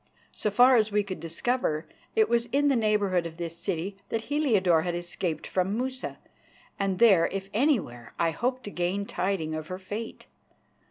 So far as we could discover, it was in the neighbourhood of this city that Heliodore had escaped from Musa, and there, if anywhere, I hoped to gain tidings of her fate.